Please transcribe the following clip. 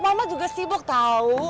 mama juga sibuk tau